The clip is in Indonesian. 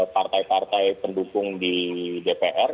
partai partai pendukung di dpr